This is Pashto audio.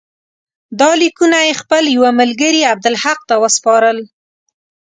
دا لیکونه یې خپل یوه ملګري عبدالحق ته وسپارل.